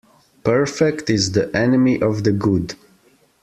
Perfect is the enemy of the good.